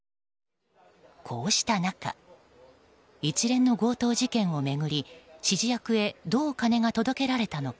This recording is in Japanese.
こうした中一連の強盗事件を巡り指示役へどう金が届けられたのか。